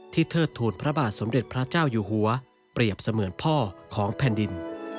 เทิดทูลพระบาทสมเด็จพระเจ้าอยู่หัวเปรียบเสมือนพ่อของแผ่นดิน